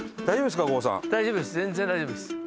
大丈夫です。